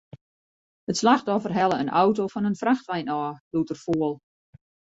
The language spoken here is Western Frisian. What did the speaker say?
It slachtoffer helle in auto fan in frachtwein ôf, doe't er foel.